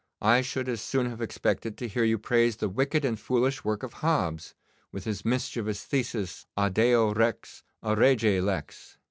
I should as soon have expected to hear you praise the wicked and foolish work of Hobbes, with his mischievous thesis, "A Deo rex, a rege lex."